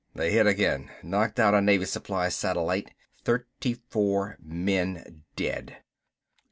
"They hit again, knocked out a Navy supply satellite, thirty four men dead."